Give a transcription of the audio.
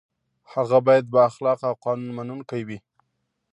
هغه باید با اخلاقه او قانون منونکی وي.